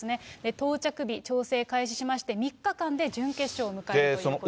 到着日、調整開始しまして３日間で準決勝を迎えるということです。